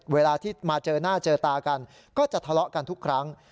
เวลาที่มาเจอหน้าเจอตากันก็จะทะเลาะกันทุกครั้ง